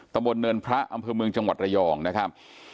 ตมตนเนินพระอำเพลิงจังหวัดระยองนะครับ